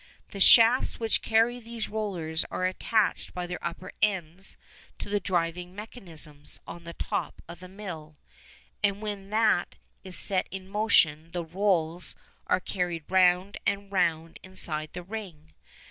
The shafts which carry these rollers are attached by their upper ends to the driving mechanism on the top of the mill, and when that is set in motion the rolls are carried round and round inside the ring.